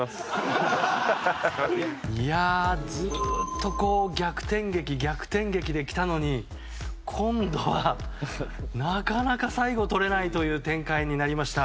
ずっと逆転劇、逆転劇で来たのに今度は、なかなか最後取れないという展開になりました。